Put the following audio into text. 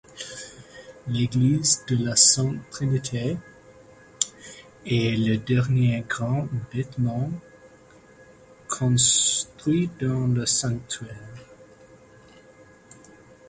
L'église de la Sainte Trinité, est le dernier grand bâtiment construit dans le sanctuaire.